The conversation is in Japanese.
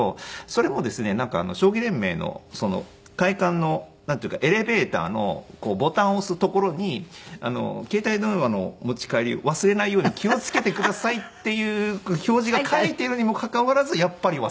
それもですねなんか将棋連盟の会館のなんていうかエレベーターのボタンを押す所に携帯電話の持ち帰り忘れないように気を付けてくださいっていう表示が書いているにもかかわらずやっぱり忘れるっていう。